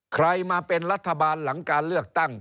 ใครมาเป็นรัฐบาลหลังการเลือกตั้ง